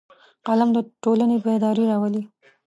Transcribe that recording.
قلم د ټولنې بیداري راولي